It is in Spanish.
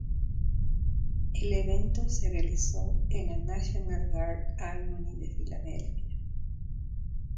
El evento se realizó en la National Guard Armory de Filadelfia.